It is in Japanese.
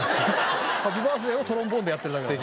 『ハッピーバースデー』をトロンボーンでやってるだけだから。